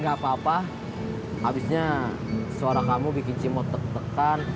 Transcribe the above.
gak apa apa abisnya suara kamu bikin cimote tekan